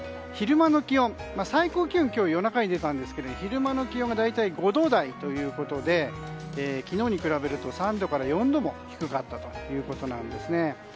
昼間の気温、最高気温は今日は夜中に出たんですが昼間の気温が大体５度台ということで昨日に比べると３度から４度も低かったということです。